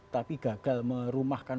tapi gagal merumahkan